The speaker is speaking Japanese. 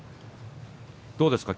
どうですか？